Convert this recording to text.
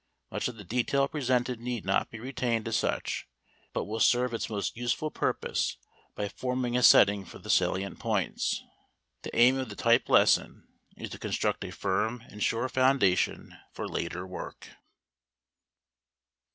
Much of the detail presented need not be retained as such, but will serve its most useful purpose by forming a setting for the salient points. The aim of the type lesson is to construct a firm and sure foundation for later work.